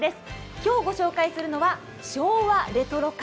今日、ご紹介するのは昭和レトロ館。